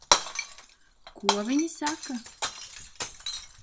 Ko viņi saka?